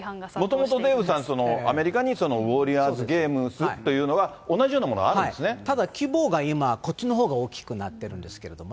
もともとデーブさん、アメリカにウォーリアーズ・ゲームズという同じようなものがあるただ、規模が今、こっちのほうが大きくなってるんですけれどもね。